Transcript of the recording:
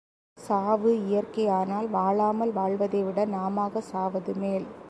சாவு, இயற்கை ஆனால் வாழாமல் வாழ்வதைவிடச் நாமாக சாவது மேல்.